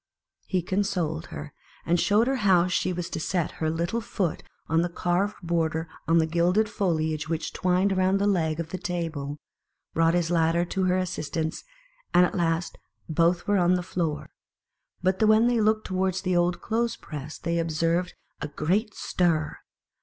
He consoled her, and showed her how she was to set her little foot on the carved . border and on the gilded foliage which twined around the leg of the table, brought his ladder to her assistance, and at last both were on the floor ; but when they looked towards the old clothes press, they observed a great stir.